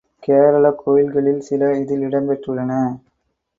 கேரளக் கோயில்களில் சில இதில் இடம் பெற்றுள்ளன.